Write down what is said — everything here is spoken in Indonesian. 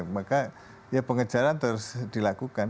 maka ya pengejaran terus dilakukan